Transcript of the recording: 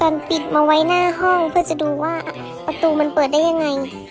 ปิดมาไว้หน้าห้องเพื่อจะดูว่าประตูมันเปิดได้ยังไง